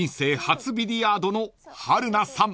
初ビリヤードの春菜さん］